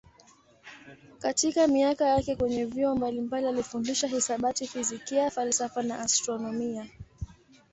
Katika miaka yake kwenye vyuo mbalimbali alifundisha hisabati, fizikia, falsafa na astronomia.